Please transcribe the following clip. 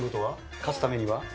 勝つためには？